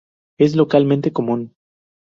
Es localmente común.